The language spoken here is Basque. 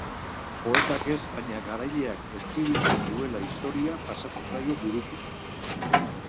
Poetak ez baina garaileak eskribitzen duela historia pasatu zaio burutik.